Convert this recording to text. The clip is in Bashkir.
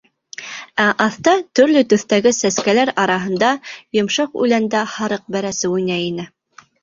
Ә аҫта төрлө төҫтәге сәскәләр араһында, йомшаҡ үләндә һарыҡ бәрәсе уйнай ине.